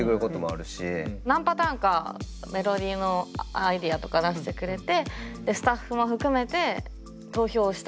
何パターンかメロディーのアイデアとか出してくれてスタッフも含めて投票制。